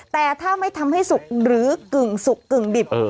แต่ถ้าไม่ทำให้สุกหรือกึ่งสุกกึ่งดิบ